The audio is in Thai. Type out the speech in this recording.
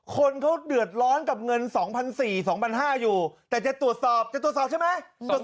คนเขาเดือดร้อนกับเงิน๒๔๐๐๒๕๐๐อยู่แต่จะตรวจสอบจะตรวจสอบใช่ไหม